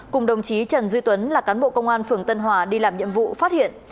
cùng đồng chí trần duy tuấn là cán bộ công an phường tân hòa đi làm nhiệm vụ phát hiện